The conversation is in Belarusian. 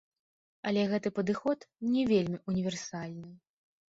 Але гэты падыход не вельмі універсальны.